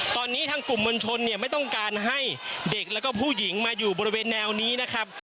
ตอนนี้ทางกลุ่มมวลชนเนี่ยไม่ต้องการให้เด็กแล้วก็ผู้หญิงมาอยู่บริเวณแนวนี้นะครับ